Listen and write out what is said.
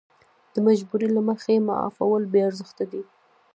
د مجبورۍ له مخې معافول بې ارزښته دي.